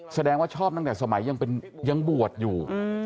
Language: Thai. แสดงว่าชอบตั้งแต่สมัยยังบวชอยู่